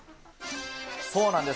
そうなんです。